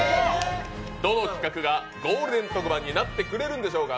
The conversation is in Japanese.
どの企画がゴールデン特番になってくれるんでしょうか。